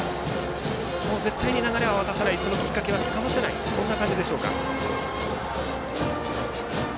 絶対に流れを渡さないそのきっかけはつかませないそんな感じでしょうか。